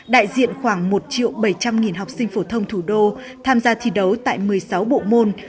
đại diện khoảng một triệu bảy trăm linh học sinh phổ thông thủ đô tham gia thi đấu tại một mươi sáu bộ môn